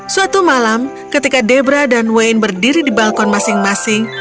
suatu malam ketika debra dan wayne berdiri di balkon masing masing